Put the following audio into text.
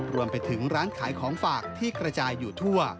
รวมไปถึงร้านขายของฝากที่กระจายอยู่ทั่ว